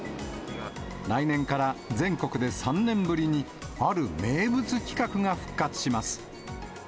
来年から全国で３年ぶりに、ある名物企画が復活します。